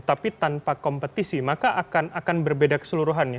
tapi tanpa kompetisi maka akan berbeda keseluruhannya